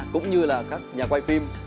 cũng như là các nhà quay phim